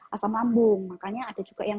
asam lambung makanya ada juga yang